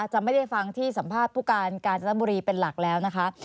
จะไม่ได้ฟังที่สัมภาษณ์ผู้การกาญจนบุรีเป็นหลักแล้วนะคะ